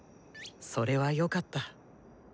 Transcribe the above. それはよかった。